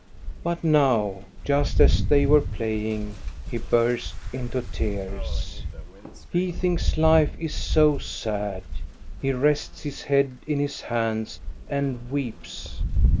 But now, just as they were playing, he burst into tears. He thinks Hfe is so sad. He rests his head in his hands and weeps.